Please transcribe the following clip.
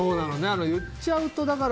言っちゃうと。